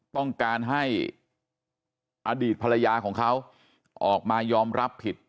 ต้องการให้อดีตภรรยาของเขาออกมายอมรับผิด